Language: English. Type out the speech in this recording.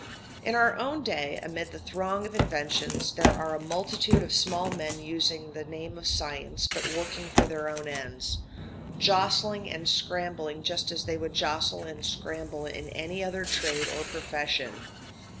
In our own day, amid the throng of inventions, there are a multitude of small men using the name of science but working for their own ends, jostling and scrambling just as they would jostle and scramble in any other trade or profession.